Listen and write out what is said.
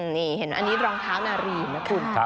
นี่เห็นไหมอันนี้รองเท้านารีนนะคุณ